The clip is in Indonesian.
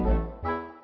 mumpung ini hari sabtu